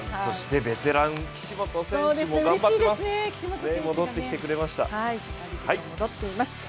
ベテラン、岸本選手も頑張っています。